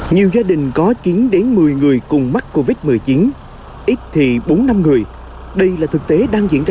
nhiều gia đình có chín đến một mươi người cùng mắc covid một mươi chín ít thì bốn năm người đây là thực tế đang diễn ra